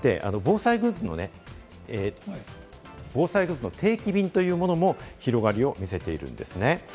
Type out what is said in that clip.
最近は防災グッズのね、定期便というものも広がりを見せているんですね。